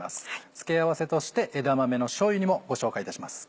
つけ合わせとして「枝豆のしょうゆ煮」もご紹介いたします。